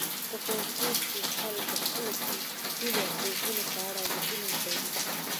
په فېسبوک کې خلک د خپلو هیلو او خوبونو په اړه لیکنې کوي